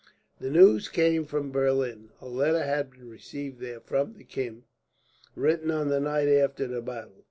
The news came from Berlin. A letter had been received there from the king, written on the night after the battle.